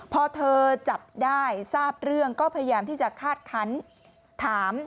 พอเธอจับได้ทราบเรื่องก็พยายามที่จะคาดคันถาม